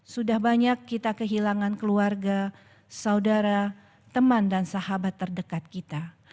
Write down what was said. sudah banyak kita kehilangan keluarga saudara teman dan sahabat terdekat kita